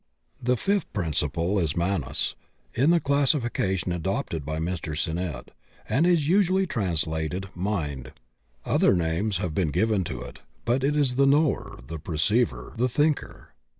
The fifth principle is Manas, in the classification adopted by Mr. Sinnett, and is usually translated THE ORIGIN OF MIND 53 Mind. Other names have been given to it, but it is the knower, the perceiver, the thinker.